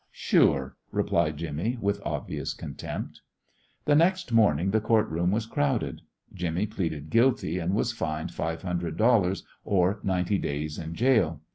"Sure!" replied Jimmy, with obvious contempt. The next morning the court room was crowded. Jimmy pleaded guilty, and was fined five hundred dollars or ninety days in jail.